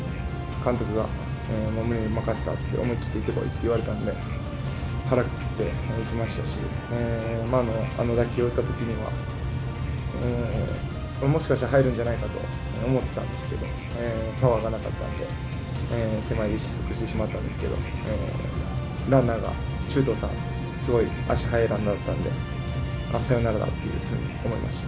監督が、もうムネに任せたって、思い切って行ってこいって言われたんで、腹くくってできましたし、あの打球を打ったときには、もしかしたら入るんじゃないかと思ってたんですけど、パワーがなかったんで、手前で落ちてしまったんですけど、ランナーが、周東さん、すごい足速いランナーだったんで、サヨナラだというふうに思いました。